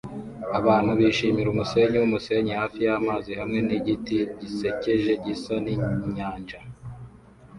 Abantu bishimira umusenyi wumusenyi hafi yamazi hamwe nigiti gisekeje gisa ninyanja